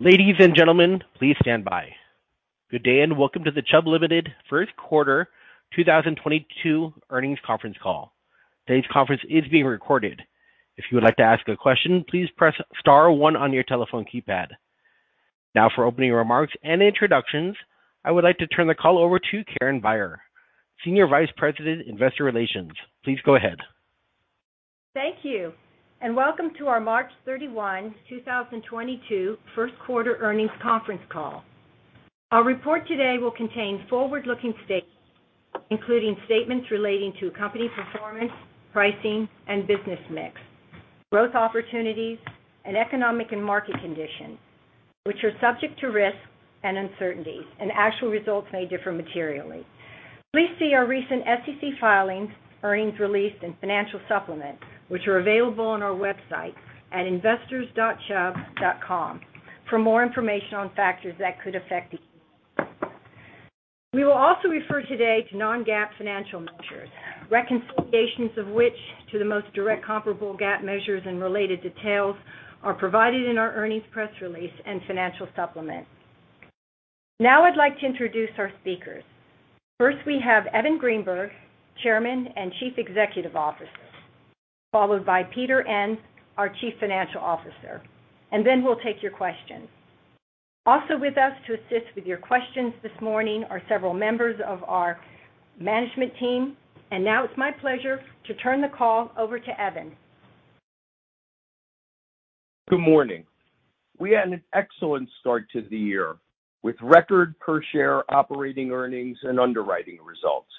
Ladies, and gentlemen, please stand by. Good day, and welcome to the Chubb Limited First Quarter 2022 Earnings Conference Call. Today's conference is being recorded. If you would like to ask a question, please press star one on your telephone keypad. Now for opening remarks and introductions, I would like to turn the call over to Karen Beyer, Senior Vice President, Investor Relations. Please go ahead. Thank you, and welcome to our March 31, 2022 First Quarter Earnings Conference Call. Our report today will contain forward-looking statements, including statements relating to company performance, pricing, and business mix, growth opportunities, and economic and market conditions, which are subject to risks and uncertainties, and actual results may differ materially. Please see our recent SEC filings, earnings release and financial supplement, which are available on our website at investors.chubb.com for more information on factors that could affect these. We will also refer today to non-GAAP financial measures, reconciliations of which to the most direct comparable GAAP measures and related details are provided in our earnings press release and financial supplement. Now I'd like to introduce our speakers. First, we have Evan Greenberg, Chairman and Chief Executive Officer, followed by Peter Enns, our Chief Financial Officer. Then we'll take your questions. Also with us to assist with your questions this morning are several members of our management team. Now it's my pleasure to turn the call over to Evan. Good morning. We had an excellent start to the year, with record per share operating earnings and underwriting results.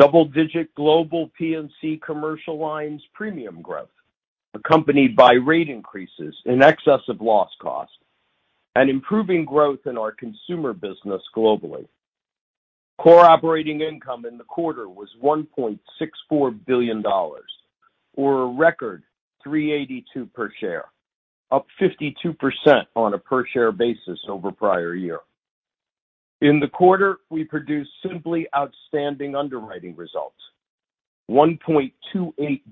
Double-digit global P&C commercial lines premium growth, accompanied by rate increases in excess of loss cost and improving growth in our consumer business globally. Core operating income in the quarter was $1.64 billion or a record $3.82 per share, up 52% on a per share basis over prior year. In the quarter, we produced simply outstanding underwriting results. $1.28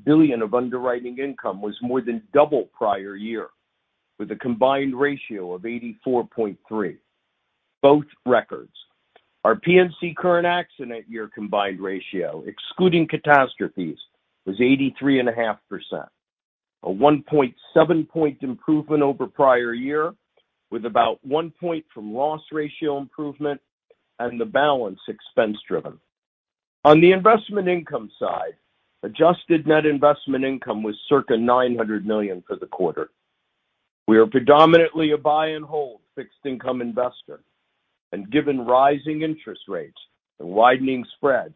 billion of underwriting income was more than double prior year with a combined ratio of 84.3, both records. Our P&C current accident year combined ratio, excluding catastrophes, was 83.5%, a 1.7-point improvement over prior year with about 1 point from loss ratio improvement and the balance expense-driven. On the investment income side, adjusted net investment income was circa $900 million for the quarter. We are predominantly a buy and hold fixed income investor, and given rising interest rates and widening spreads,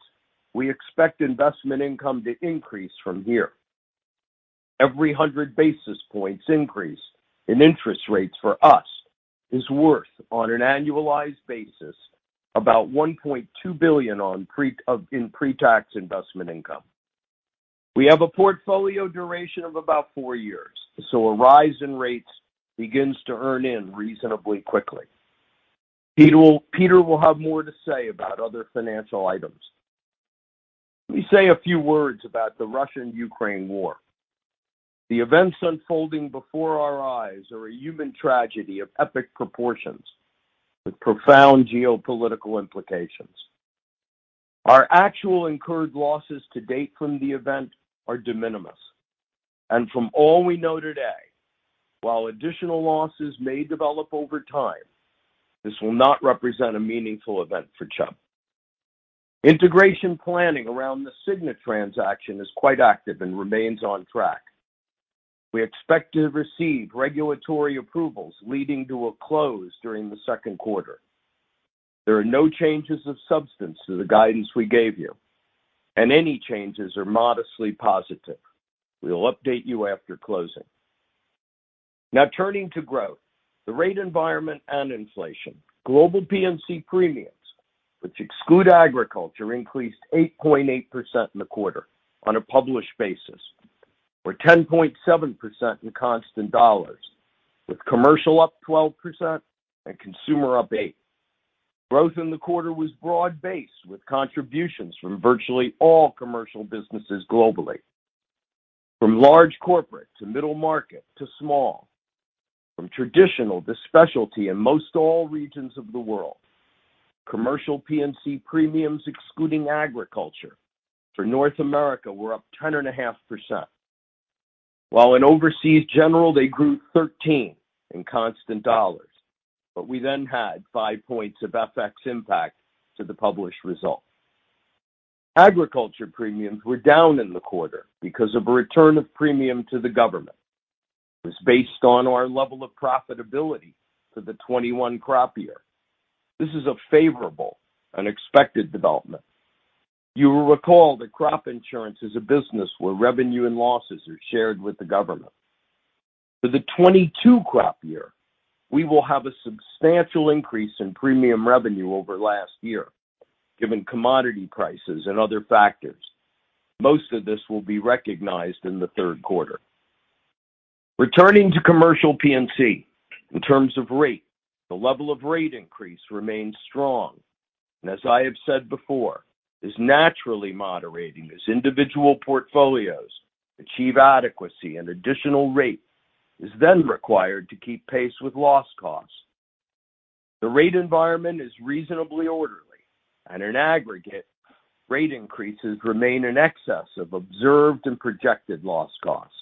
we expect investment income to increase from here. Every 100 basis points increase in interest rates for us is worth on an annualized basis about $1.2 billion in pre-tax investment income. We have a portfolio duration of about four years, so a rise in rates begins to earn in reasonably quickly. Peter will have more to say about other financial items. Let me say a few words about the Russia-Ukraine war. The events unfolding before our eyes are a human tragedy of epic proportions with profound geopolitical implications. Our actual incurred losses to date from the event are de minimis. From all we know today, while additional losses may develop over time, this will not represent a meaningful event for Chubb. Integration planning around the Cigna transaction is quite active and remains on track. We expect to receive regulatory approvals leading to a close during the second quarter. There are no changes of substance to the guidance we gave you, and any changes are modestly positive. We will update you after closing. Now, turning to growth, the rate environment and inflation. Global P&C premiums, which exclude agriculture, increased 8.8% in the quarter on a published basis, or 10.7% in constant dollars, with commercial up 12% and consumer up 8%. Growth in the quarter was broad-based, with contributions from virtually all commercial businesses globally. From large corporate to middle market to small, from traditional to specialty in most all regions of the world. Commercial P&C premiums, excluding agriculture, for North America were up 10.5%. While in Overseas General, they grew 13% in constant dollars, but we then had 5 points of FX impact to the published result. Agriculture premiums were down in the quarter because of a return of premium to the government. It was based on our level of profitability for the 2021 crop year. This is a favorable, unexpected development. You will recall that crop insurance is a business where revenue and losses are shared with the government. For the 2022 crop year, we will have a substantial increase in premium revenue over last year, given commodity prices and other factors. Most of this will be recognized in the third quarter. Returning to commercial P&C. In terms of rate, the level of rate increase remains strong and, as I have said before, is naturally moderating as individual portfolios achieve adequacy and additional rate is then required to keep pace with loss costs. The rate environment is reasonably orderly, and in aggregate, rate increases remain in excess of observed and projected loss costs.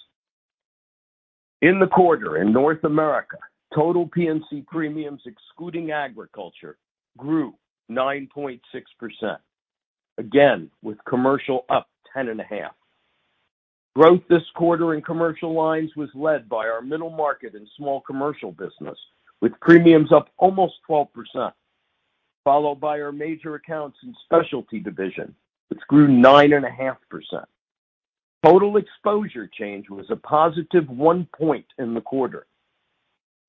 In the quarter in North America, total P&C premiums excluding agriculture grew 9.6%, again, with commercial up 10.5%. Growth this quarter in commercial lines was led by our middle market and small commercial business, with premiums up almost 12%, followed by our major accounts and specialty division, which grew 9.5%. Total exposure change was a +1% in the quarter.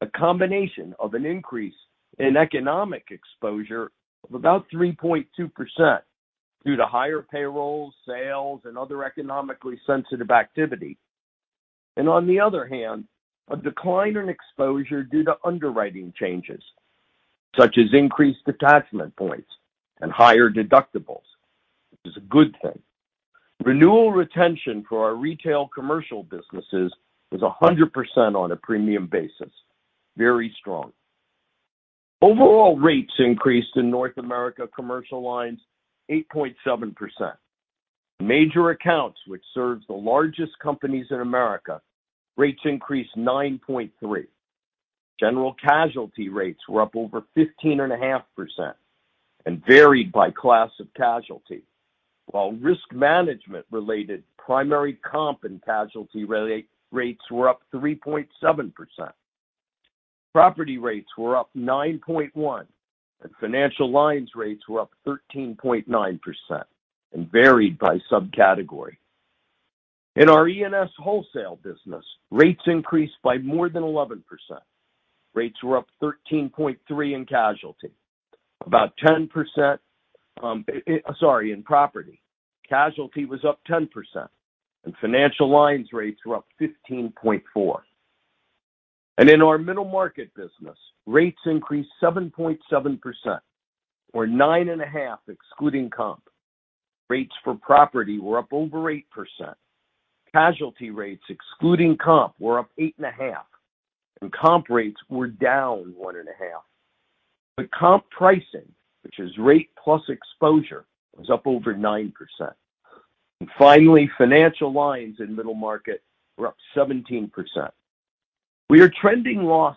A combination of an increase in economic exposure of about 3.2% due to higher payrolls, sales, and other economically sensitive activity. On the other hand, a decline in exposure due to underwriting changes, such as increased attachment points and higher deductibles, which is a good thing. Renewal retention for our retail commercial businesses was 100% on a premium basis, very strong. Overall rates increased in North America commercial lines 8.7%. Major accounts, which serves the largest companies in America, rates increased 9.3%. General casualty rates were up over 15.5% and varied by class of casualty, while risk management-related primary comp and casualty related rates were up 3.7%. Property rates were up 9.1%, and financial lines rates were up 13.9% and varied by subcategory. In our E&S wholesale business, rates increased by more than 11%. Rates were up 13.3% in casualty, about 10%, in property. Casualty was up 10%, and financial lines rates were up 15.4%. In our middle market business, rates increased 7.7% or 9.5% excluding comp. Rates for property were up over 8%. Casualty rates, excluding comp, were up 8.5%, and comp rates were down 1.5%. The comp pricing, which is rate plus exposure, was up over 9%. Finally, financial lines in middle market were up 17%. We are trending loss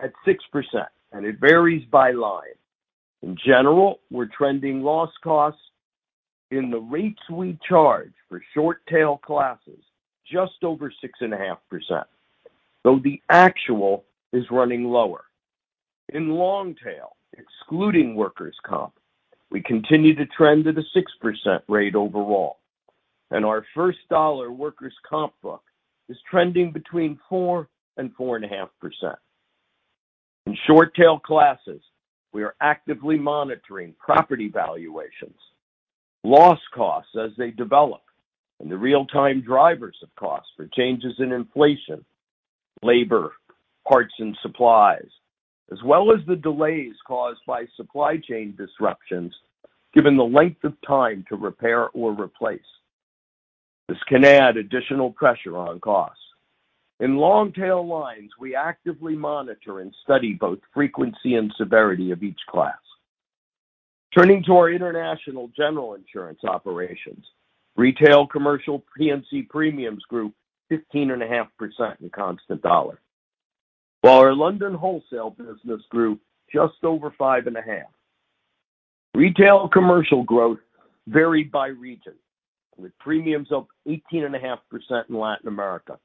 costs at 6%, and it varies by line. In general, we're trending loss costs in the rates we charge for short tail classes just over 6.5%, though the actual is running lower. In long tail, excluding workers' comp, we continue to trend at a 6% rate overall, and our first dollar workers' comp book is trending between 4% and 4.5%. In short tail classes, we are actively monitoring property valuations, loss costs as they develop, and the real-time drivers of costs for changes in inflation, labor, parts, and supplies, as well as the delays caused by supply chain disruptions, given the length of time to repair or replace. This can add additional pressure on costs. In long tail lines, we actively monitor and study both frequency and severity of each class. Turning to our international General Insurance operations, retail commercial P&C premiums grew 15.5% in constant dollars, while our London wholesale business grew just over 5.5%. Retail commercial growth varied by region, with premiums up 18.5% in Latin America,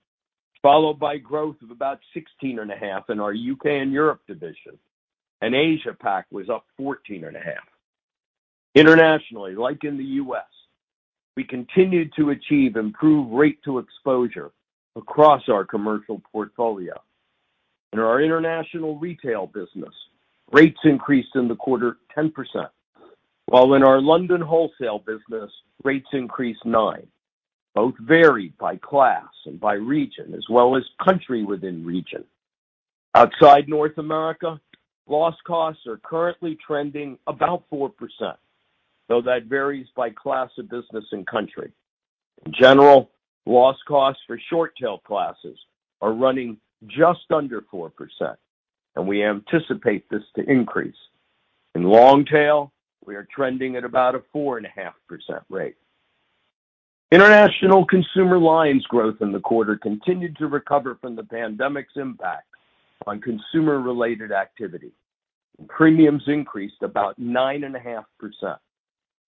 followed by growth of about 16.5% in our U.K. and Europe division, and Asia-Pac was up 14.5%. Internationally, like in the U.S., we continued to achieve improved rate to exposure across our commercial portfolio. In our international retail business, rates increased in the quarter 10%, while in our London wholesale business, rates increased 9%, both varied by class and by region as well as country within region. Outside North America, loss costs are currently trending about 4%, though that varies by class of business and country. In general, loss costs for short tail classes are running just under 4%, and we anticipate this to increase. In long tail, we are trending at about a 4.5% rate. International consumer lines growth in the quarter continued to recover from the pandemic's impact on consumer-related activity. Premiums increased about 9.5%,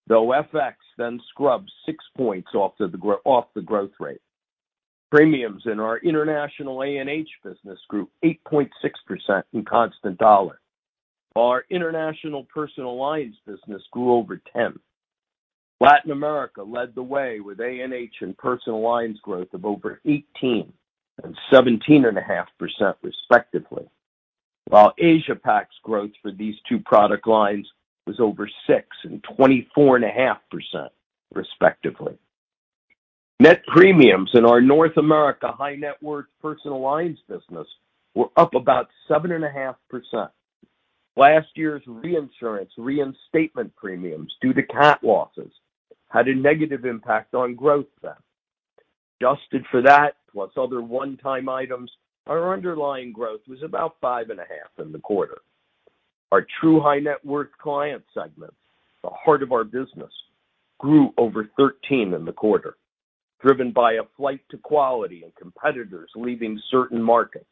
though FX then shaves six points off the growth rate. Premiums in our international A&H business grew 8.6% in constant dollar. Our international personal lines business grew over 10%. Latin America led the way with A&H and personal lines growth of over 18% and 17.5%, respectively. While Asia-Pac's growth for these two product lines was over 6% and 24.5%, respectively. Net premiums in our North America high net worth personal lines business were up about 7.5%. Last year's reinsurance reinstatement premiums due to CAT losses had a negative impact on growth then. Adjusted for that, plus other one-time items, our underlying growth was about 5.5% in the quarter. Our true high net worth client segment, the heart of our business, grew over 13% in the quarter, driven by a flight to quality and competitors leaving certain markets,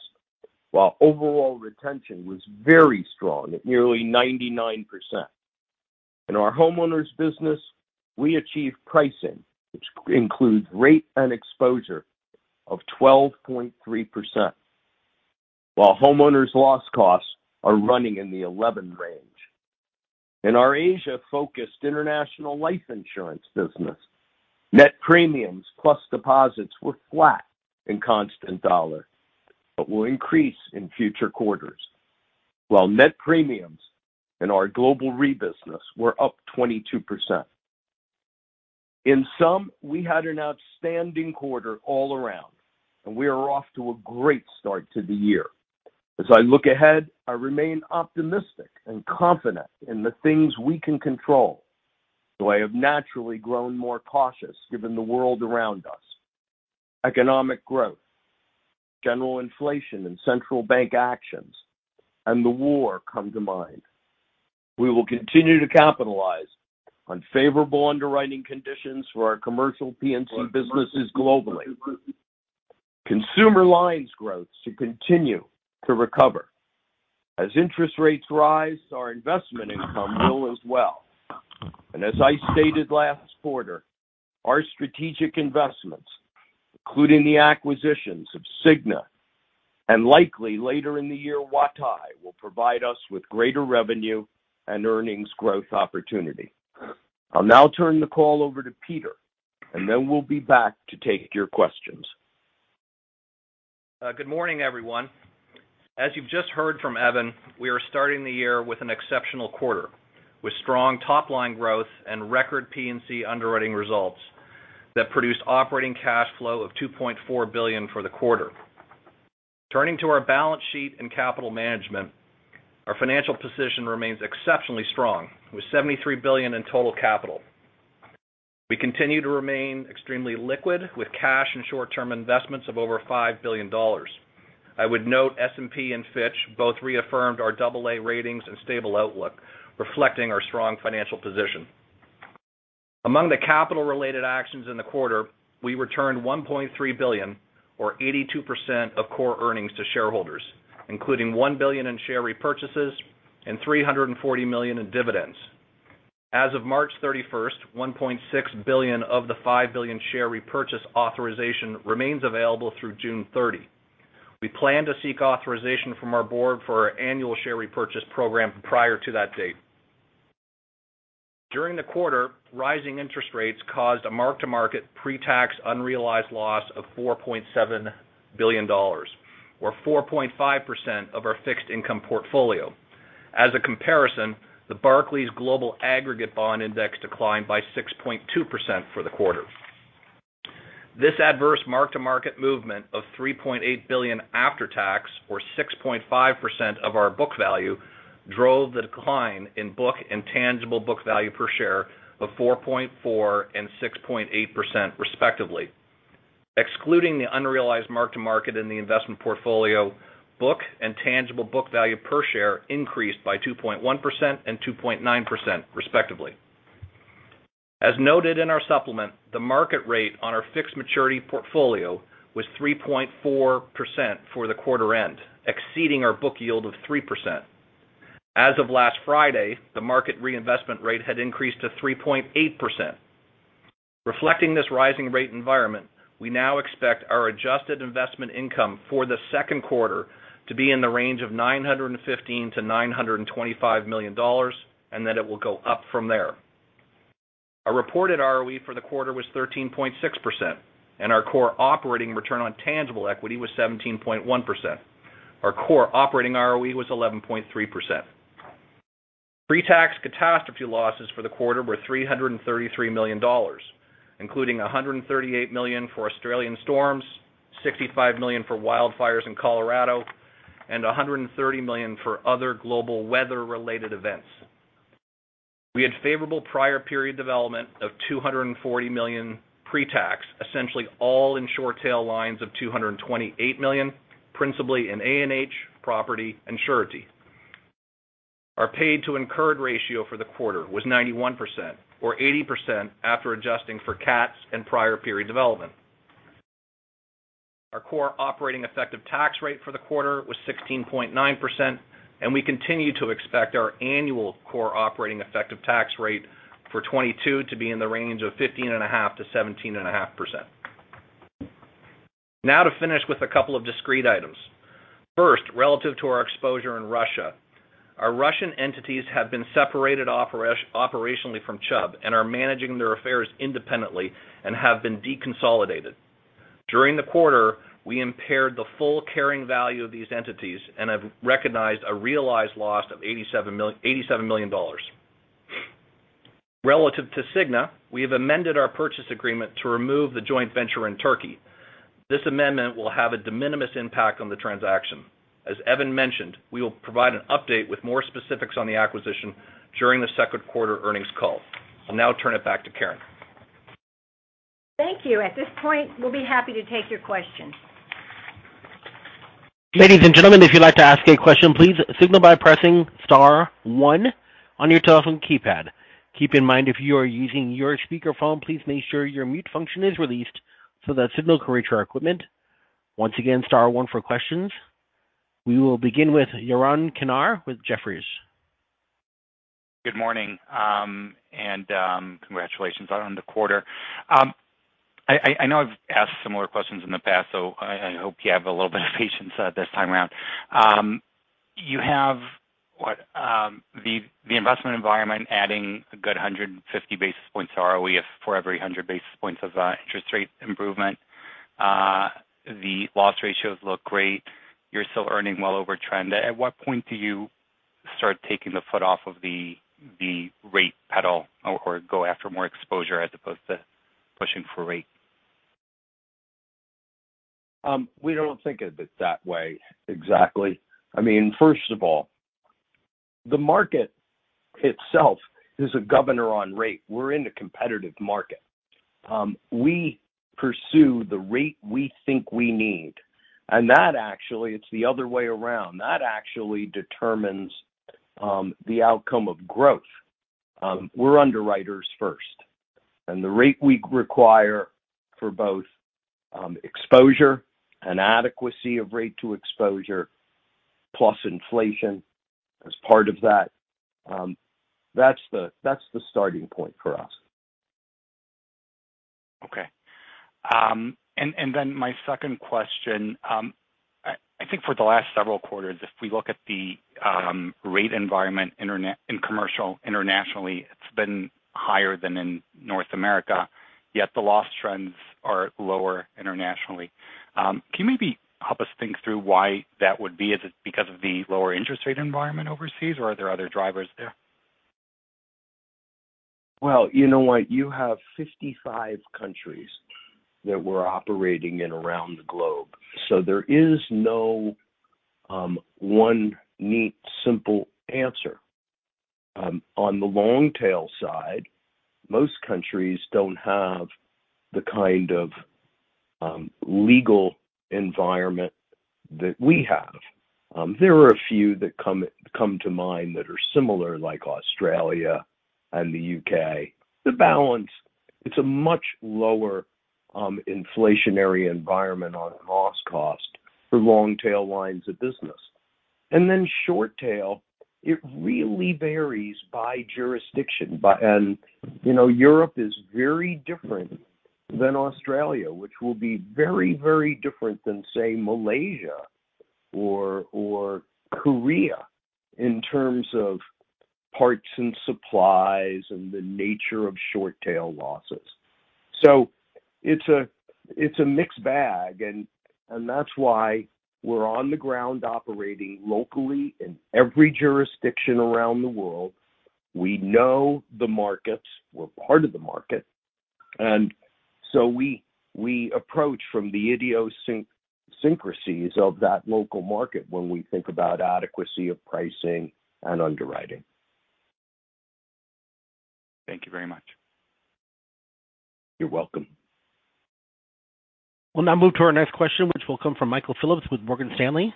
while overall retention was very strong at nearly 99%. In our homeowners business, we achieved pricing, which includes rate and exposure of 12.3%, while homeowners loss costs are running in the 11% range. In our Asia-focused international life insurance business, net premiums plus deposits were flat in constant dollar, but will increase in future quarters, while net premiums in our global re-business were up 22%. In sum, we had an outstanding quarter all around, and we are off to a great start to the year. As I look ahead, I remain optimistic and confident in the things we can control, though I have naturally grown more cautious given the world around us. Economic growth, general inflation and central bank actions, and the war come to mind. We will continue to capitalize on favorable underwriting conditions for our commercial P&C businesses globally. Consumer lines growth should continue to recover. As interest rates rise, our investment income will as well. As I stated last quarter, our strategic investments, including the acquisitions of Cigna, and likely later in the year, Huatai, will provide us with greater revenue and earnings growth opportunity. I'll now turn the call over to Peter, and then we'll be back to take your questions. Good morning, everyone. As you've just heard from Evan, we are starting the year with an exceptional quarter, with strong top-line growth and record P&C underwriting results that produced operating cash flow of $2.4 billion for the quarter. Turning to our balance sheet and capital management, our financial position remains exceptionally strong, with $73 billion in total capital. We continue to remain extremely liquid, with cash and short-term investments of over $5 billion. I would note S&P and Fitch both reaffirmed our double-A ratings and stable outlook, reflecting our strong financial position. Among the capital-related actions in the quarter, we returned $1.3 billion, or 82% of core earnings to shareholders, including $1 billion in share repurchases and $340 million in dividends. As of March 31st, $1.6 billion of the $5 billion share repurchase authorization remains available through June 30. We plan to seek authorization from our board for our annual share repurchase program prior to that date. During the quarter, rising interest rates caused a mark-to-market pre-tax unrealized loss of $4.7 billion or 4.5% of our fixed income portfolio. As a comparison, the Barclays Global Aggregate Bond Index declined by 6.2% for the quarter. This adverse mark-to-market movement of $3.8 billion after tax, or 6.5% of our book value, drove the decline in book and tangible book value per share of 4.4% and 6.8% respectively. Excluding the unrealized mark-to-market in the investment portfolio, book and tangible book value per share increased by 2.1% and 2.9% respectively. As noted in our supplement, the market rate on our fixed maturity portfolio was 3.4% for quarter end, exceeding our book yield of 3%. As of last Friday, the market reinvestment rate had increased to 3.8%. Reflecting this rising rate environment, we now expect our adjusted investment income for the second quarter to be in the range of $915 million-$925 million, and then it will go up from there. Our reported ROE for the quarter was 13.6%, and our core operating return on tangible equity was 17.1%. Our core operating ROE was 11.3%. Pre-tax catastrophe losses for the quarter were $333 million, including $138 million for Australian storms, $65 million for wildfires in Colorado, and $130 million for other global weather-related events. We had favorable prior period development of $240 million pre-tax, essentially all in short tail lines of $228 million, principally in A&H, property and surety. Our paid to incurred ratio for the quarter was 91% or 80% after adjusting for CATs and prior period development. Our core operating effective tax rate for the quarter was 16.9%, and we continue to expect our annual core operating effective tax rate for 2022 to be in the range of 15.5%-17.5%. Now to finish with a couple of discrete items. First, relative to our exposure in Russia, our Russian entities have been separated operationally from Chubb and are managing their affairs independently and have been deconsolidated. During the quarter, we impaired the full carrying value of these entities and have recognized a realized loss of $87 million. Relative to Cigna, we have amended our purchase agreement to remove the joint venture in Turkey. This amendment will have a de minimis impact on the transaction. As Evan mentioned, we will provide an update with more specifics on the acquisition during the second quarter earnings call. I'll now turn it back to Karen. Thank you. At this point, we'll be happy to take your questions. Ladies, and gentlemen, if you'd like to ask a question, please signal by pressing star one on your telephone keypad. Keep in mind, if you are using your speakerphone, please make sure your mute function is released so that signal can reach our equipment. Once again, star one for questions. We will begin with Yaron Kinar with Jefferies. Good morning, congratulations on the quarter. I know I've asked similar questions in the past, so I hope you have a little bit of patience this time around. You have the investment environment adding a good 150 basis points ROE for every 100 basis points of interest rate improvement. The loss ratios look great. You're still earning well over trend. At what point do you start taking the foot off of the rate pedal or go after more exposure as opposed to pushing for rate? We don't think of it that way exactly. I mean, first of all, the market itself is a governor on rate. We're in a competitive market. We pursue the rate we think we need, and that actually it's the other way around. That actually determines the outcome of growth. We're underwriters first. The rate we require for both exposure and adequacy of rate to exposure, plus inflation as part of that's the starting point for us. My second question, I think for the last several quarters, if we look at the rate environment in commercial internationally, it's been higher than in North America, yet the loss trends are lower internationally. Can you maybe help us think through why that would be? Is it because of the lower interest rate environment overseas, or are there other drivers there? Well, you know what? You have 55 countries that we're operating in around the globe, so there is no one neat, simple answer. On the long tail side, most countries don't have the kind of legal environment that we have. There are a few that come to mind that are similar, like Australia and the U.K. The balance, it's a much lower inflationary environment on loss cost for long tail lines of business. Short tail, it really varies by jurisdiction. You know, Europe is very different than Australia, which will be very, very different than, say, Malaysia or Korea in terms of parts and supplies and the nature of short tail losses. It's a mixed bag, and that's why we're on the ground operating locally in every jurisdiction around the world. We know the markets. We're part of the market. We approach from the idiosyncrasies of that local market when we think about adequacy of pricing and underwriting. Thank you very much. You're welcome. We'll now move to our next question, which will come from Michael Phillips with Morgan Stanley.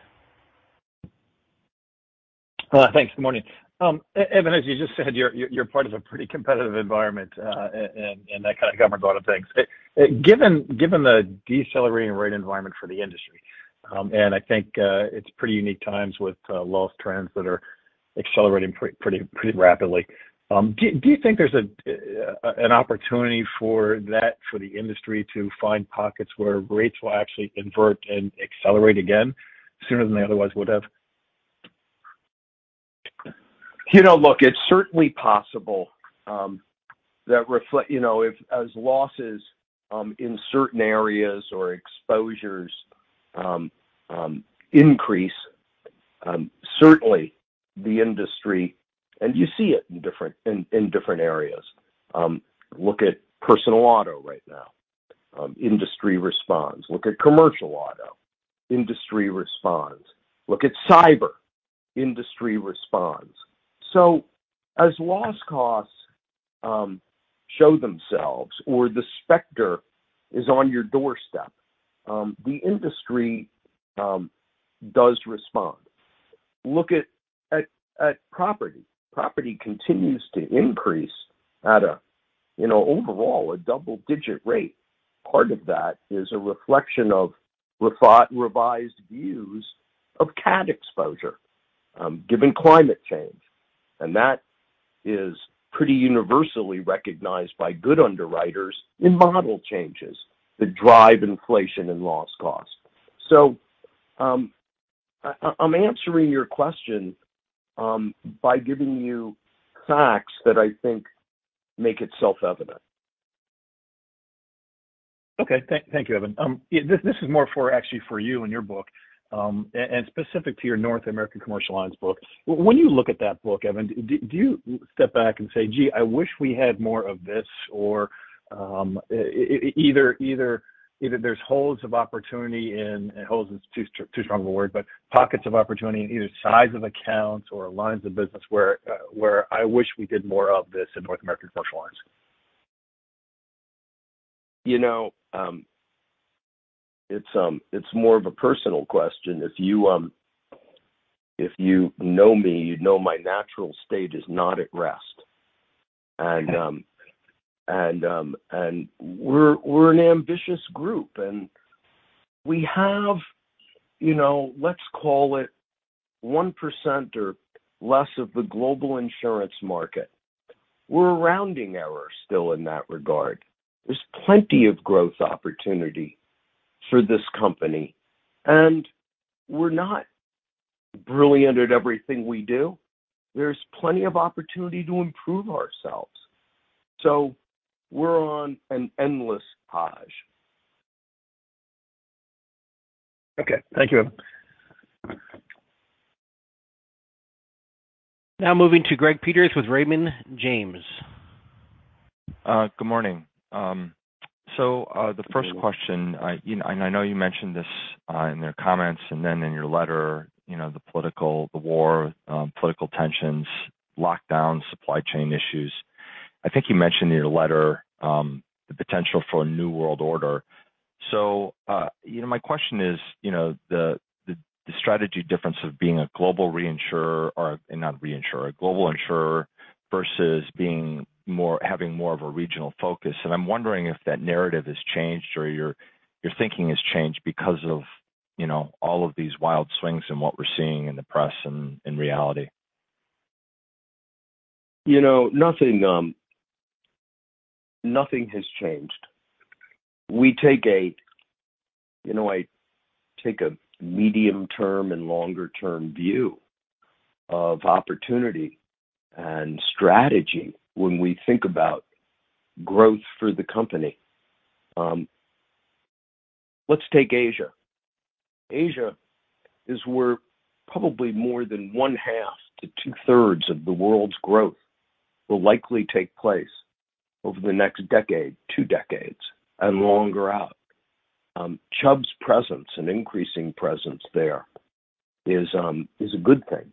Thanks. Good morning. Evan, as you just said, you're part of a pretty competitive environment, and that kind of covers a lot of things. Given the decelerating rate environment for the industry, and I think it's pretty unique times with loss trends that are accelerating pretty rapidly, do you think there's an opportunity for that, for the industry to find pockets where rates will actually invert and accelerate again sooner than they otherwise would have? You know, look, it's certainly possible that you know, if, as losses in certain areas or exposures increase, certainly the industry, and you see it in different areas. Look at personal auto right now, industry responds. Look at commercial auto, industry responds. Look at cyber, industry responds. So as loss costs show themselves or the specter is on your doorstep, the industry does respond. Look at property. Property continues to increase at a, you know, overall a double-digit rate. Part of that is a reflection of revised views of cat exposure, given climate change. That is pretty universally recognized by good underwriters in model changes that drive inflation and loss cost. I'm answering your question by giving you facts that I think make it self-evident. Okay. Thank you, Evan. Yeah, this is more for actually for you and your book, and specific to your North American Commercial Lines book. When you look at that book, Evan, do you step back and say, "Gee, I wish we had more of this," or, either there's holes of opportunity and holes is too strong of a word, but pockets of opportunity in either size of accounts or lines of business where I wish we did more of this in North American Commercial Lines? You know, it's more of a personal question. If you know me, you'd know my natural state is not at rest. Okay. We're an ambitious group, and we have, you know, let's call it 1% or less of the global insurance market. We're a rounding error still in that regard. There's plenty of growth opportunity for this company, and we're not brilliant at everything we do. There's plenty of opportunity to improve ourselves. We're on an endless voyage. Okay. Thank you, Evan. Now moving to Greg Peters with Raymond James. Good morning. The first question, you know, and I know you mentioned this in the comments and then in your letter, you know, the political, the war, political tensions, lockdown, supply chain issues. I think you mentioned in your letter the potential for a new world order. My question is, you know, the strategy difference of being a global reinsurer or a global insurer versus having more of a regional focus. I'm wondering if that narrative has changed or your thinking has changed because of, you know, all of these wild swings in what we're seeing in the press and in reality. You know, nothing has changed. You know, I take a medium-term and longer-term view of opportunity and strategy when we think about growth for the company. Let's take Asia. Asia is where probably more than 1/2 to 2/3 of the world's growth will likely take place over the next decade, two decades, and longer out. Chubb's presence and increasing presence there is a good thing.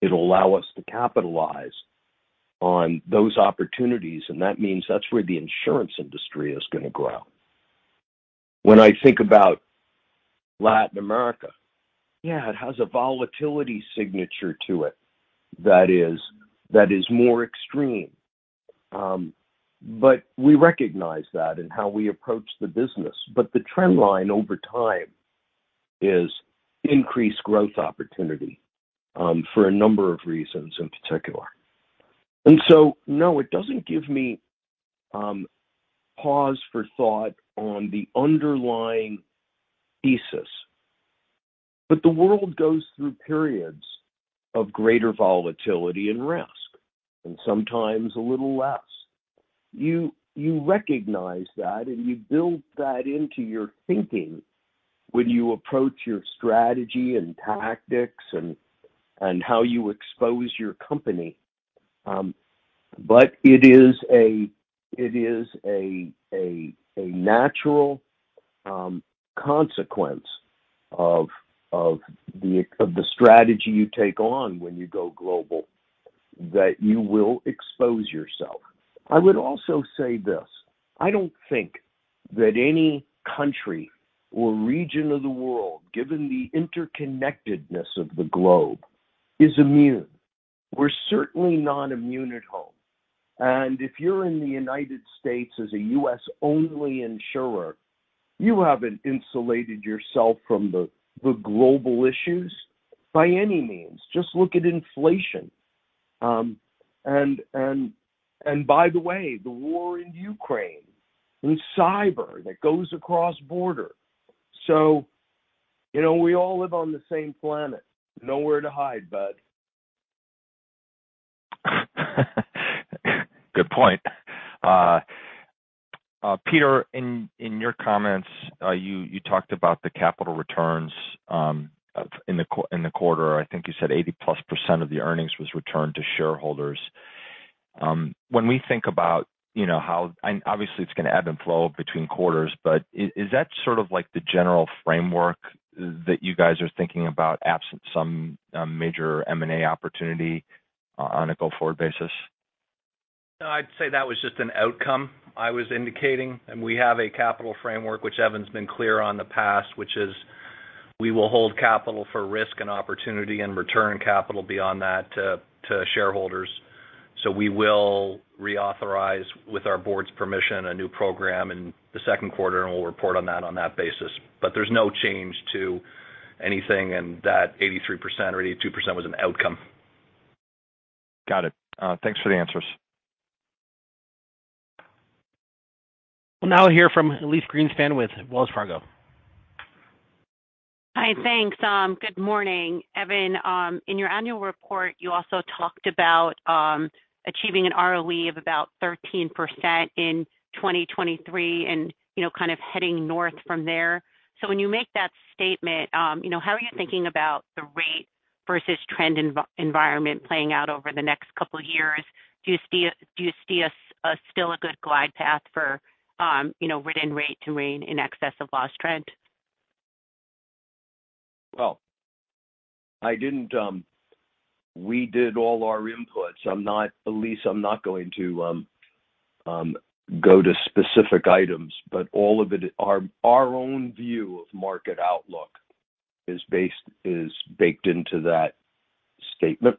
It'll allow us to capitalize on those opportunities, and that means that's where the insurance industry is gonna grow. When I think about Latin America, yeah, it has a volatility signature to it that is more extreme. We recognize that in how we approach the business. The trend line over time is increased growth opportunity for a number of reasons in particular. No, it doesn't give me pause for thought on the underlying thesis. The world goes through periods of greater volatility and risk, and sometimes a little less. You recognize that, and you build that into your thinking when you approach your strategy and tactics and how you expose your company. It is a natural consequence of the strategy you take on when you go global, that you will expose yourself. I would also say this. I don't think that any country or region of the world, given the interconnectedness of the globe, is immune. We're certainly not immune at home. If you're in the U.S. as a U.S.-only insurer, you haven't insulated yourself from the global issues by any means. Just look at inflation. By the way, the war in Ukraine and cyber that goes across border. You know, we all live on the same planet. Nowhere to hide, bud. Good point. Peter, in your comments, you talked about the capital returns in the quarter. I think you said 80%+ of the earnings was returned to shareholders. When we think about, you know, obviously, it's gonna ebb and flow between quarters, but is that sort of like the general framework that you guys are thinking about absent some major M&A opportunity on a go-forward basis? No, I'd say that was just an outcome I was indicating. We have a capital framework which Evan's been clear on in the past, which is we will hold capital for risk and opportunity and return capital beyond that to shareholders. We will reauthorize, with our board's permission, a new program in the second quarter, and we'll report on that basis. There's no change to anything, and that 83% or 82% was an outcome. Got it. Thanks for the answers. We'll now hear from Elyse Greenspan with Wells Fargo. Hi, thanks. Good morning. Evan, in your annual report, you also talked about achieving an ROE of about 13% in 2023 and, you know, kind of heading north from there. When you make that statement, you know, how are you thinking about the rate versus trend environment playing out over the next couple of years? Do you see still a good glide path for, you know, written rate to remain in excess of loss trend? We did all our inputs. I'm not, Elyse, I'm not going to go to specific items, but all of it, our own view of market outlook is baked into that statement.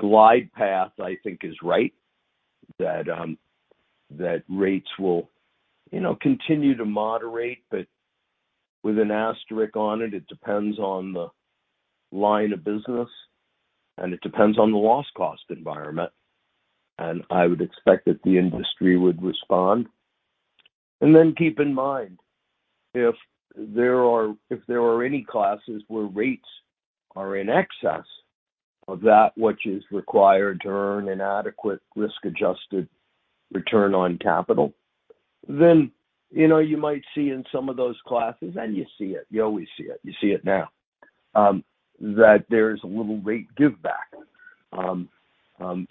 Glide path, I think, is right. That rates will, you know, continue to moderate, but with an asterisk on it. It depends on the line of business, and it depends on the loss cost environment. I would expect that the industry would respond. Keep in mind, if there are any classes where rates are in excess of that which is required to earn an adequate risk-adjusted return on capital, then, you know, you might see in some of those classes, and you see it, you always see it, you see it now, that there is a little rate giveback,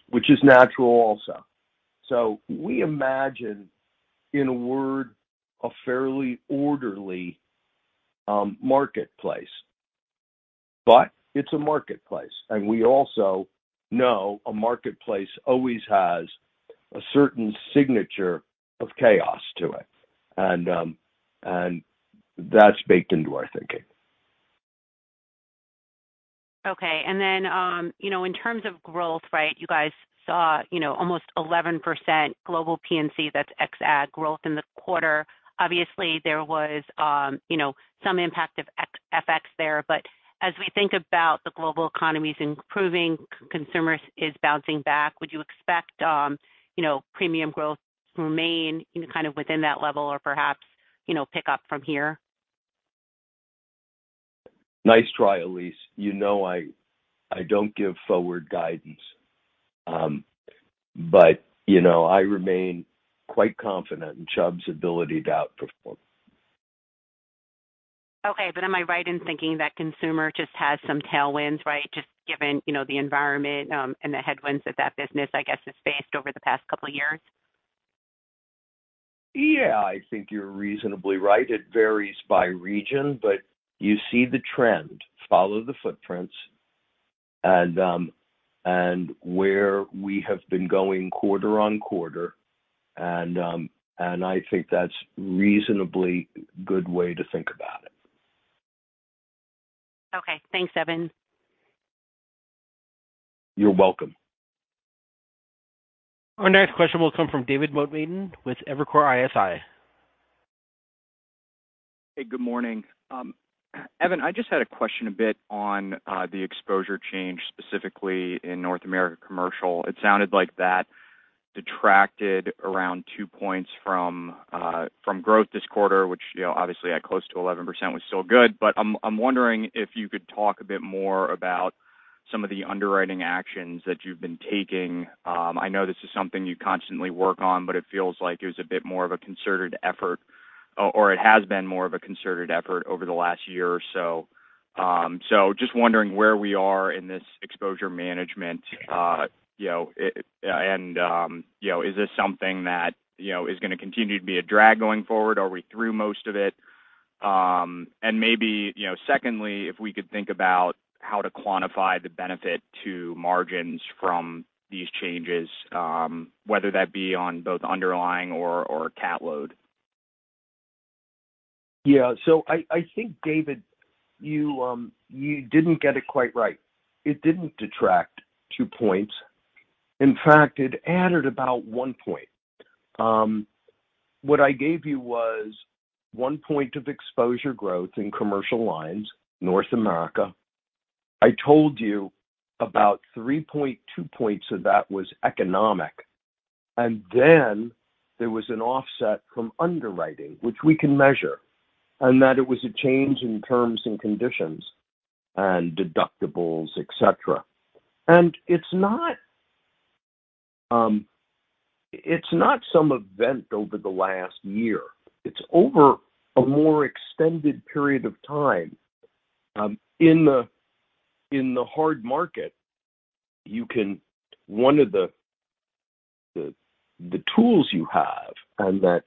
which is natural also. We imagine, in a word, a fairly orderly marketplace. But it's a marketplace, and we also know a marketplace always has a certain signature of chaos to it. That's baked into our thinking. Okay. You know, in terms of growth, right, you guys saw, you know, almost 11% global P&C, that's ex-A&H growth in the quarter. Obviously, there was, you know, some impact of ex-FX there. But as we think about the global economies improving, consumer is bouncing back, would you expect, you know, premium growth to remain in kind of within that level or perhaps, you know, pick up from here? Nice try, Elyse. You know I don't give forward guidance. You know, I remain quite confident in Chubb's ability to outperform. Okay, am I right in thinking that consumer just has some tailwinds, right? Just given, you know, the environment, and the headwinds that that business, I guess, has faced over the past couple of years. Yeah, I think you're reasonably right. It varies by region, but you see the trend, follow the footprints and where we have been going quarter-over-quarter and I think that's reasonably good way to think about it. Okay, thanks, Evan. You're welcome. Our next question will come from David Motemaden with Evercore ISI. Hey, good morning. Evan, I just had a question a bit on the exposure change, specifically in North America Commercial. It sounded like that detracted around 2 points from growth this quarter, which, you know, obviously at close to 11% was still good. I'm wondering if you could talk a bit more about some of the underwriting actions that you've been taking. I know this is something you constantly work on, but it feels like it was a bit more of a concerted effort, or it has been more of a concerted effort over the last year or so. Just wondering where we are in this exposure management, you know, is this something that, you know, is gonna continue to be a drag going forward? Are we through most of it? Maybe, you know, secondly, if we could think about how to quantify the benefit to margins from these changes, whether that be on both underlying or CAT load. Yeah. I think, David, you didn't get it quite right. It didn't detract 2 points. In fact, it added about 1 point. What I gave you was 1 point of exposure growth in commercial lines, North America. I told you about 3.2 points of that was economic. There was an offset from underwriting, which we can measure, and that it was a change in terms and conditions and deductibles, et cetera. It's not some event over the last year. It's over a more extended period of time. In the hard market, you can, one of the tools you have and that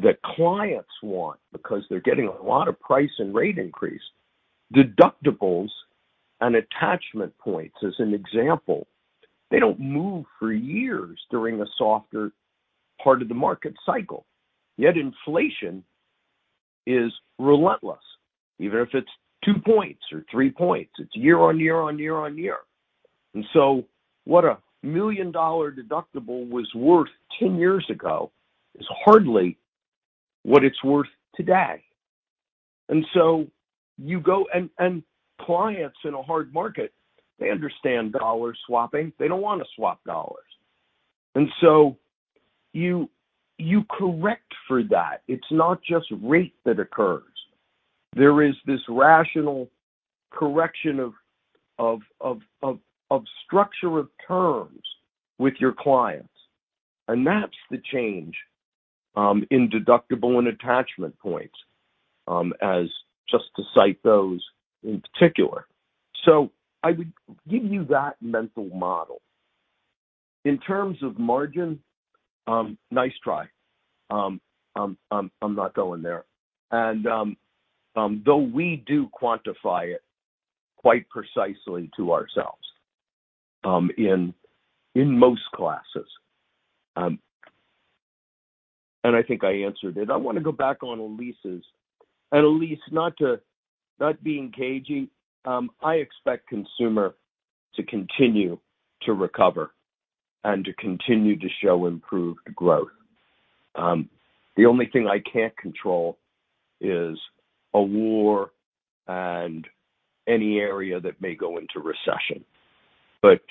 the clients want because they're getting a lot of price and rate increase, deductibles and attachment points, as an example, they don't move for years during a softer part of the market cycle. Yet inflation is relentless. Even if it's two points or three points, it's year-on-year-on-year-on-year. What a million-dollar deductible was worth 10 years ago is hardly what it's worth today. Clients in a hard market, they understand dollar swapping. They don't want to swap dollars. You correct for that. It's not just rate that occurs. There is this rational correction of structure of terms with your clients. That's the change in deductible and attachment points, as just to cite those in particular. I would give you that mental model. In terms of margin, nice try. I'm not going there. Though we do quantify it quite precisely to ourselves, in most classes. I think I answered it. I wanna go back on Elyse's. Elyse, not being cagey, I expect consumer to continue to recover and to continue to show improved growth. The only thing I can't control is a war and any area that may go into recession.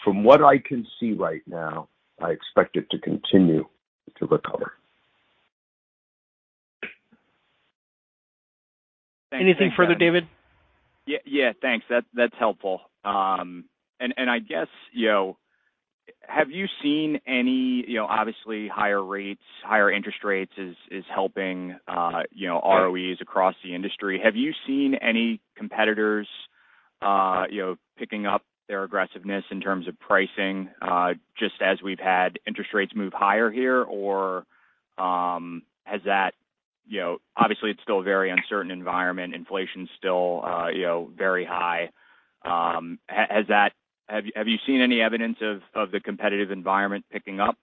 From what I can see right now, I expect it to continue to recover. Anything further, David? Yeah, yeah, thanks. That's helpful. And I guess, you know, you know, obviously higher rates, higher interest rates is helping, you know, ROEs across the industry. Have you seen any competitors, you know, picking up their aggressiveness in terms of pricing, just as we've had interest rates move higher here? Or, you know, obviously it's still a very uncertain environment. Inflation's still, you know, very high. Have you seen any evidence of the competitive environment picking up?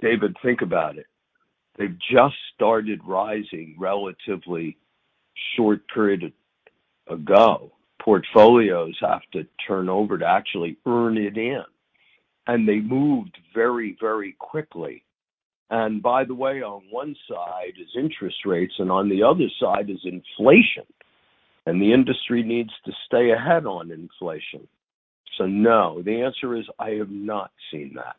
David, think about it. They've just started rising relatively short period ago. Portfolios have to turn over to actually earn it in, and they moved very, very quickly. By the way, on one side is interest rates, and on the other side is inflation. The industry needs to stay ahead on inflation. No, the answer is I have not seen that.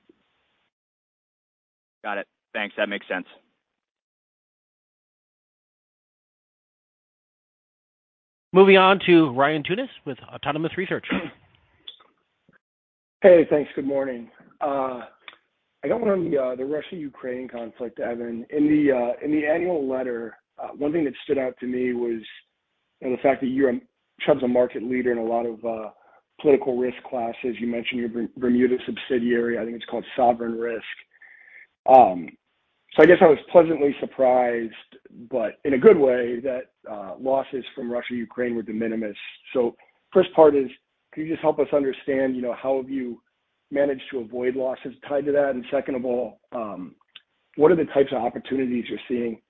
Got it. Thanks. That makes sense. Moving on to Ryan Tunis with Autonomous Research. Hey, thanks. Good morning. I got one on the Russia-Ukraine conflict, Evan. In the annual letter, one thing that stood out to me was, you know, the fact that Chubb's a market leader in a lot of political risk classes. You mentioned your Bermuda subsidiary. I think it's called Sovereign Risk. I guess I was pleasantly surprised, but in a good way, that losses from Russia-Ukraine were de minimis. First part is, can you just help us understand, you know, how have you managed to avoid losses tied to that? And second of all, what are the types of opportunities you're seeing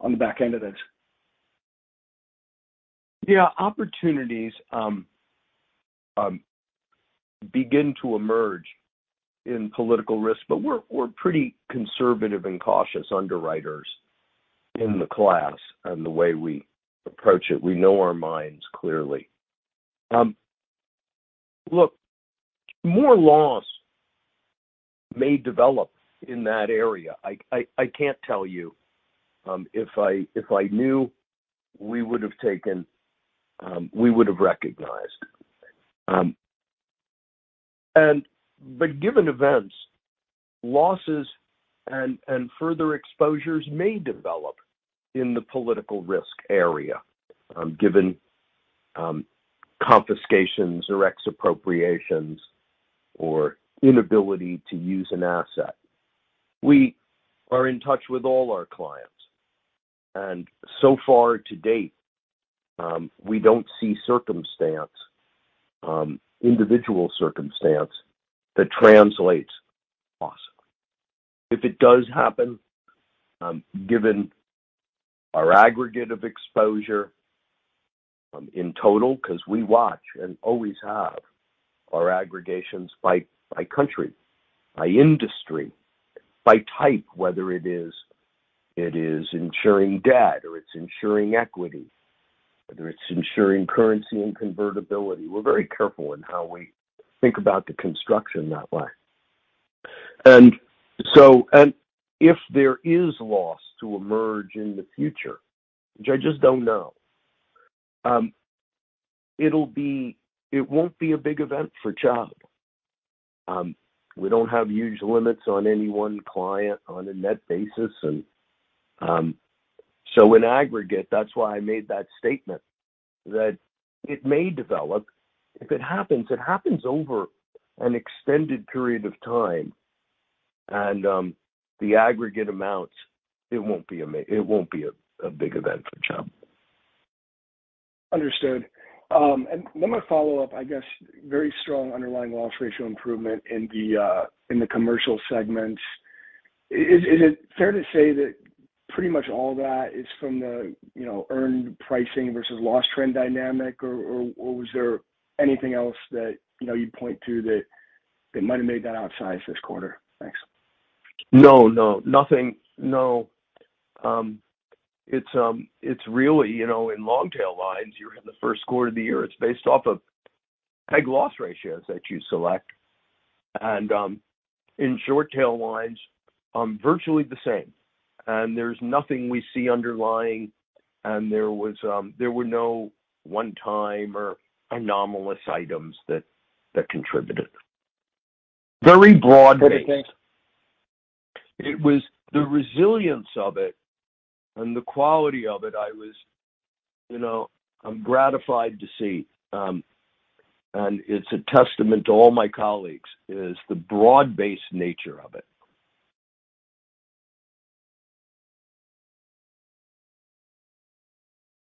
on the back end of this? Yeah. Opportunities begin to emerge in political risk, but we're pretty conservative and cautious underwriters in the class and the way we approach it. We know our limits clearly. Look, more losses may develop in that area. I can't tell you. If I knew, we would have taken, we would have recognized. But given events, losses and further exposures may develop in the political risk area, given confiscations or expropriations or inability to use an asset. We are in touch with all our clients. So far to date, we don't see individual circumstances that translate to loss. If it does happen, given our aggregate of exposure, in total, 'cause we watch and always have our aggregations by country, by industry, by type, whether it is insuring debt or it's insuring equity, whether it's insuring currency and convertibility. We're very careful in how we think about the construction that way. If there is loss to emerge in the future, which I just don't know, it won't be a big event for Chubb. We don't have huge limits on any one client on a net basis. In aggregate, that's why I made that statement that it may develop. If it happens, it happens over an extended period of time. The aggregate amounts, it won't be a big event for Chubb. Understood. Then my follow-up, I guess, very strong underlying loss ratio improvement in the commercial segments. Is it fair to say that pretty much all that is from the, you know, earned pricing versus loss trend dynamic or was there anything else that, you know, you'd point to that might have made that outsize this quarter? Thanks. No. Nothing. No. It's really, you know, in long-tail lines, you're in the first quarter of the year. It's based off of target loss ratios that you select. In short tail lines, virtually the same. There's nothing we see underlying, and there were no one-time or anomalous items that contributed. Very broad-based. Okay, thanks. It was the resilience of it and the quality of it. I was, you know, I'm gratified to see, and it's a testament to all my colleagues, is the broad-based nature of it.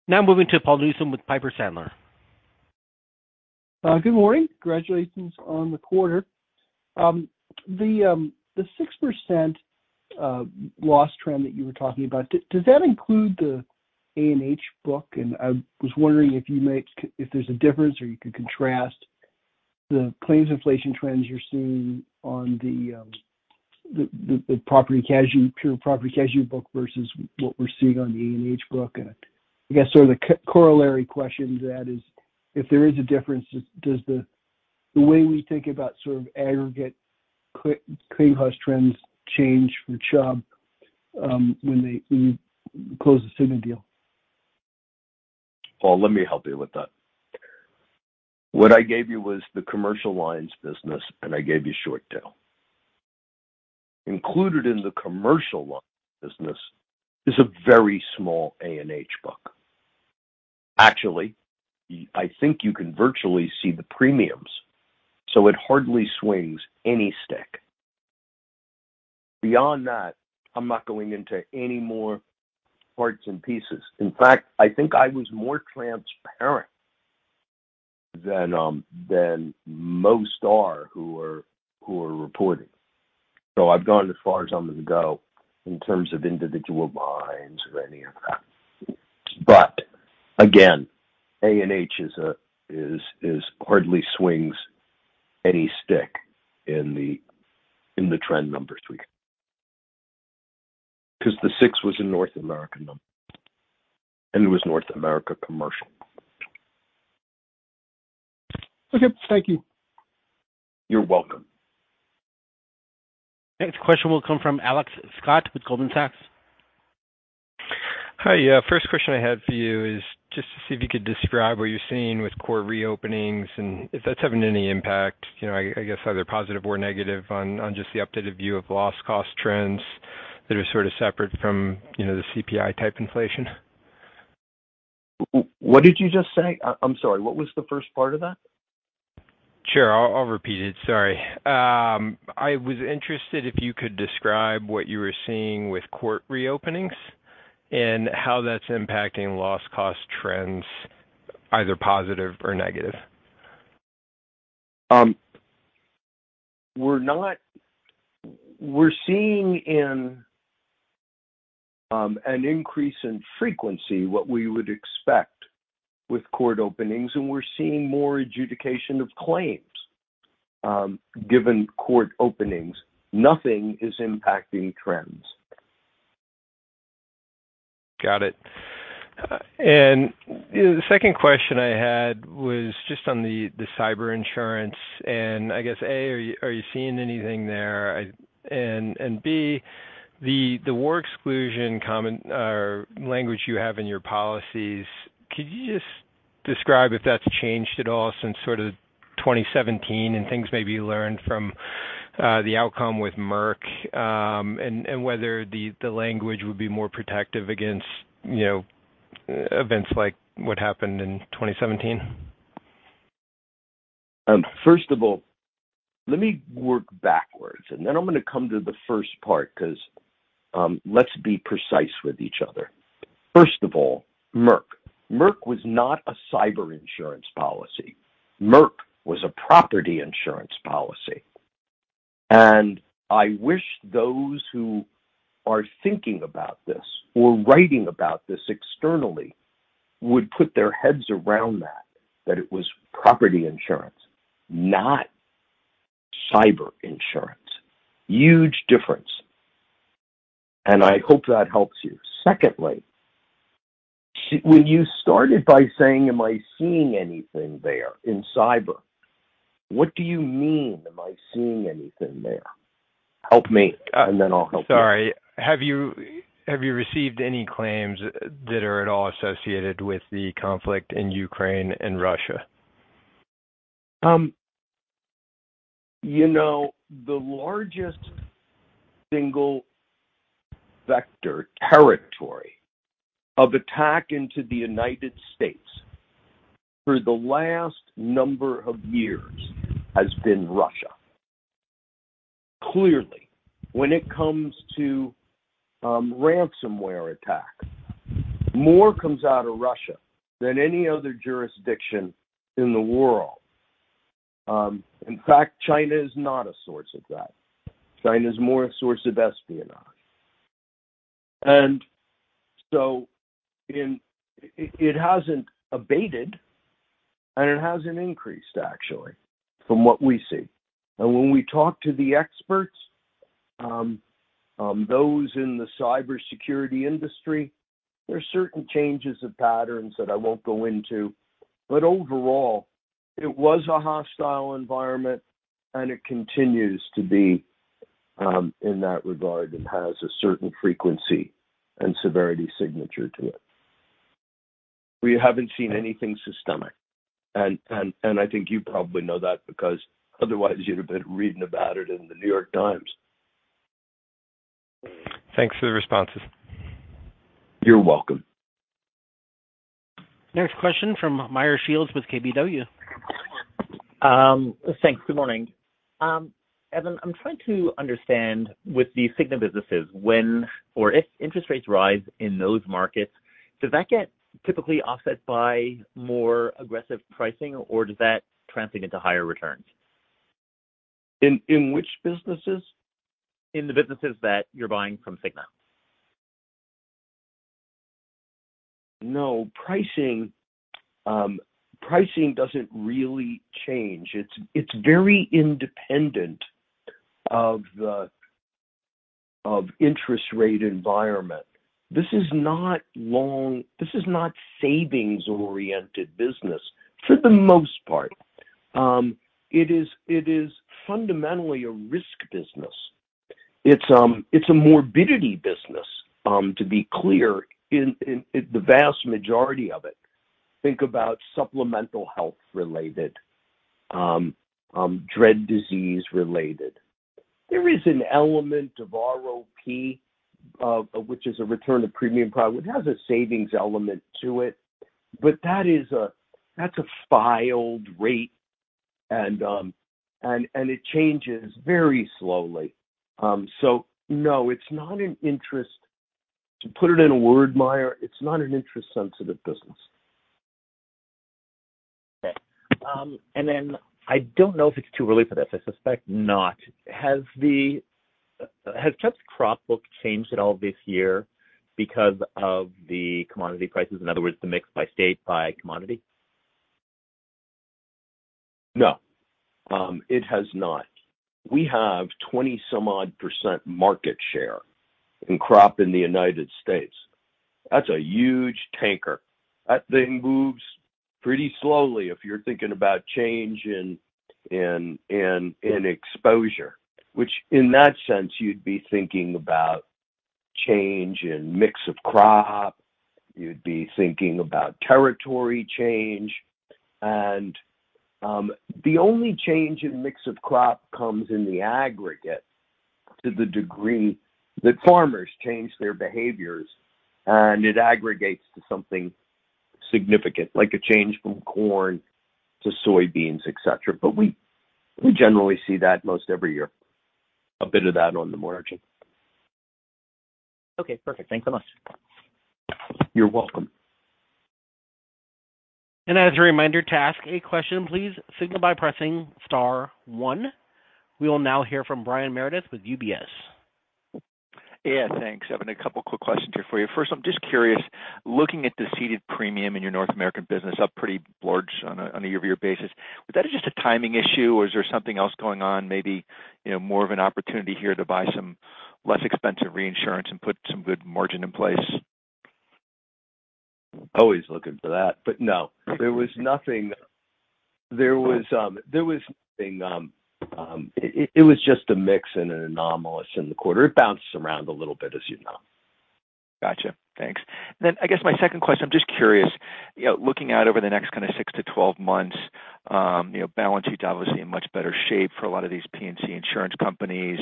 Now moving to Paul Newsome with Piper Sandler. Good morning. Congratulations on the quarter. The 6% loss trend that you were talking about, does that include the A&H book? I was wondering if there's a difference or you could contrast the claims inflation trends you're seeing on the property and casualty, pure property and casualty book versus what we're seeing on the A&H book. I guess sort of the corollary question to that is, if there is a difference, does the way we think about sort of aggregate claims trends change for Chubb when you close the Cigna deal? Paul, let me help you with that. What I gave you was the commercial lines business, and I gave you short tail. Included in the commercial lines business is a very small A&H book. Actually, I think you can virtually see the premiums, so it hardly swings any stick. Beyond that, I'm not going into any more parts and pieces. In fact, I think I was more transparent than than most are who are reporting. I've gone as far as I'm going to go in terms of individual lines or any of that. Again, A&H is hardly swings any stick in the trend numbers we have. 'Cause the 6% was a North American number, and it was North America commercial. Okay, thank you. You're welcome. Next question will come from Alex Scott with Goldman Sachs. Hi. Yeah, first question I had for you is just to see if you could describe what you're seeing with court reopenings and if that's having any impact, you know, I guess either positive or negative on just the updated view of loss cost trends that are sort of separate from, you know, the CPI type inflation? What did you just say? I'm sorry, what was the first part of that? Sure. I'll repeat it. Sorry. I was interested if you could describe what you were seeing with court reopenings and how that's impacting loss cost trends, either positive or negative. We're seeing an increase in frequency, what we would expect with court openings, and we're seeing more adjudication of claims, given court openings. Nothing is impacting trends. Got it. The second question I had was just on the cyber insurance and I guess, A, are you seeing anything there? B, the war exclusion common war language you have in your policies, could you just describe if that's changed at all since sort of 2017 and things maybe you learned from the outcome with Merck, and whether the language would be more protective against events like what happened in 2017? First of all, let me work backwards, and then I'm going to come to the first part because, let's be precise with each other. First of all, Merck. Merck was not a cyber insurance policy. Merck was a property insurance policy. I wish those who are thinking about this or writing about this externally would put their heads around that it was property insurance, not cyber insurance. Huge difference. I hope that helps you. Secondly, when you started by saying, "Am I seeing anything there in cyber?" What do you mean, am I seeing anything there? Help me, and then I'll help you. Sorry. Have you received any claims that are at all associated with the conflict in Ukraine and Russia? You know, the largest single vector territory of attack into the U.S. for the last number of years has been Russia. Clearly, when it comes to ransomware attack, more comes out of Russia than any other jurisdiction in the world. In fact, China is not a source of that. China is more a source of espionage. It hasn't abated, and it hasn't increased actually, from what we see. When we talk to the experts, those in the cybersecurity industry, there are certain changes of patterns that I won't go into. But overall, it was a hostile environment, and it continues to be in that regard and has a certain frequency and severity signature to it. We haven't seen anything systemic. I think you probably know that because otherwise you'd have been reading about it in the New York Times. Thanks for the responses. You're welcome. Next question from Meyer Shields with KBW. Thanks. Good morning. Evan, I'm trying to understand with the Cigna businesses, when or if interest rates rise in those markets, does that get typically offset by more aggressive pricing, or does that translate into higher returns? In which businesses? In the businesses that you're buying from Cigna. No. Pricing doesn't really change. It's very independent of the interest rate environment. This is not savings-oriented business for the most part. It is fundamentally a risk business. It's a morbidity business, to be clear in the vast majority of it. Think about supplemental health-related, dread disease-related. There is an element of ROP, which is a return of premium product. It has a savings element to it, but that's a filed rate, and it changes very slowly. No, it's not an interest. To put it in a word, Meyer, it's not an interest-sensitive business. Okay. I don't know if it's too early for this. I suspect not. Has the crop book changed at all this year because of the commodity prices? In other words, the mix by state, by commodity. No, it has not. We have 20-some-odd% market share in crop in the U.S. That's a huge tanker. That thing moves pretty slowly if you're thinking about change in exposure, which in that sense, you'd be thinking about change in mix of crop, you'd be thinking about territory change. The only change in mix of crop comes in the aggregate to the degree that farmers change their behaviors and it aggregates to something significant, like a change from corn to soybeans, et cetera. We generally see that most every year, a bit of that on the margin. Okay, perfect. Thanks so much. You're welcome. As a reminder, to ask a question, please signal by pressing star one. We will now hear from Brian Meredith with UBS. Yeah, thanks. Evan, a couple of quick questions here for you. First, I'm just curious, looking at the ceded premium in your North American business up pretty large on a year-over-year basis, was that just a timing issue or is there something else going on, maybe, you know, more of an opportunity here to buy some less expensive reinsurance and put some good margin in place? Always looking for that. No, there was nothing. It was just a mix and an anomaly in the quarter. It bounces around a little bit, as you know. Gotcha. Thanks. I guess my second question, I'm just curious, you know, looking out over the next kinda six to 12 months, you know, balance sheet obviously in much better shape for a lot of these P&C insurance companies.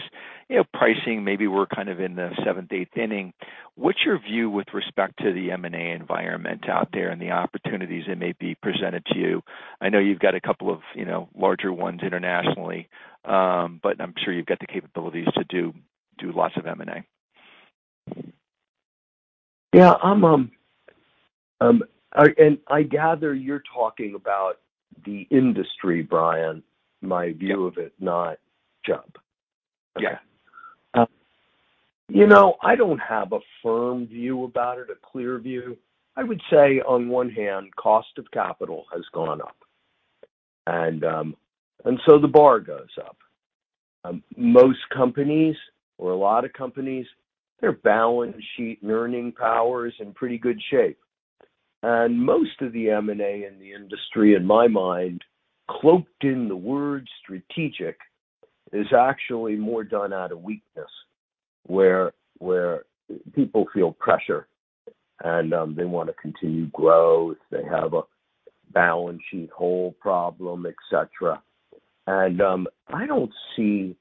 You know, pricing, maybe we're kind of in the seventh, eighth inning. What's your view with respect to the M&A environment out there and the opportunities that may be presented to you? I know you've got a couple of, you know, larger ones internationally, but I'm sure you've got the capabilities to do lots of M&A. I gather you're talking about the industry, Brian, my view of it, not job. Yeah. You know, I don't have a firm view about it, a clear view. I would say on one hand, cost of capital has gone up. The bar goes up. Most companies or a lot of companies, their balance sheet and earning power is in pretty good shape. Most of the M&A in the industry, in my mind, cloaked in the word strategic, is actually more done out of weakness, where people feel pressure and they wanna continue growth, they have a balance sheet hole problem, et cetera. I don't see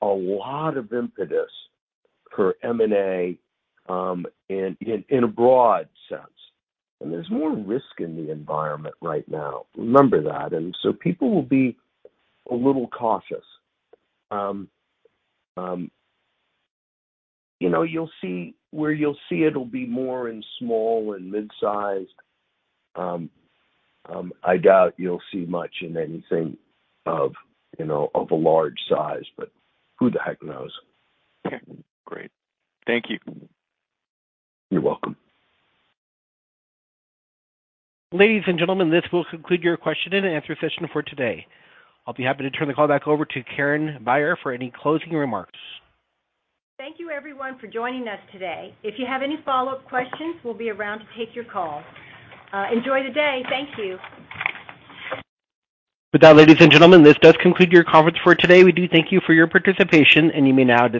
a lot of impetus for M&A in a broad sense. There's more risk in the environment right now. Remember that. People will be a little cautious. You know, you'll see it'll be more in small and mid-sized. I doubt you'll see much in anything of, you know, of a large size, but who the heck knows? Okay. Great. Thank you. You're welcome. Ladies, and gentlemen, this will conclude your question-and-answer session for today. I'll be happy to turn the call back over to Karen Beyer for any closing remarks. Thank you everyone for joining us today. If you have any follow-up questions, we'll be around to take your call. Enjoy the day. Thank you. With that, ladies, and gentlemen, this does conclude your conference for today. We do thank you for your participation, and you may now disconnect.